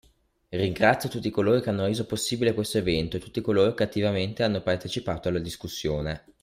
Ringrazio tutti coloro che hanno reso possibile questo evento e tutti coloro che attivamente hanno partecipato alla discussione.